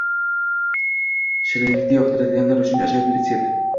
Shirinlikni yoqtiradiganlar uchun ajoyib retsept